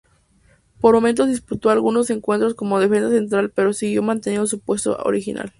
Por momentos disputó algunos encuentros como defensa central pero siguió manteniendo su puesto original.